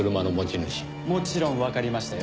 もちろんわかりましたよ。